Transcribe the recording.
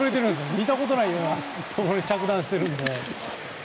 見たことがないところに着弾しているので。